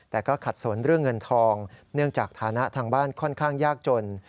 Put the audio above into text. แต่ก็ขัดสนเรื่องเงินทองเนื่องจากฐานะทางบ้านค่อนข้างยากจน